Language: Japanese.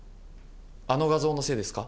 あの画像のせいですか？